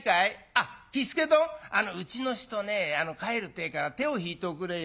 あっ喜助どんうちの人ね帰るってえから手を引いておくれよ。